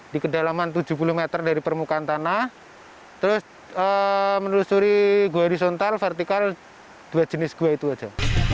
di kedalaman tujuh puluh meter dari permukaan tanah terus menelusuri gua horizontal vertikal dua jenis gua itu aja